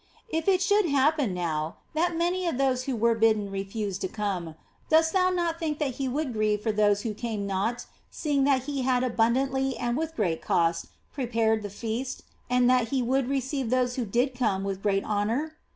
If it should happen, now, that many of those who were bidden refused to come, dost thou not think that he would grieve for those who came not, seeing that he had abundantly and with great cost prepared the feast, and that he would receive those who did come with great honour